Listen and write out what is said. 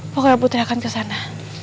pokoknya putri akan ke sana